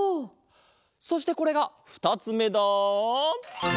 そしてこれがふたつめだ。